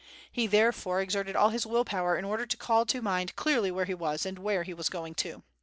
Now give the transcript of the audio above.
He therefore exerted all his will power in order to call to mind clearly where he was and where he was going to.